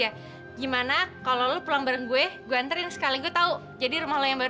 ya udah gini aja gimana kalau lo pulang bareng gue gue anterin sekali ngfindahkan rumah lo yang baru ya